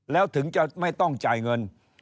แล้วถึงจะไม่ต้องจ่ายเงิน